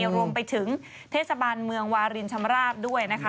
รวมไปถึงเทศบาลเมืองวารินชำราบด้วยนะคะ